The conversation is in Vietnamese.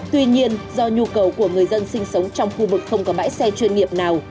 tuy nhiên do nhu cầu của người dân sinh sống trong khu vực không có bãi xe chuyên nghiệp nào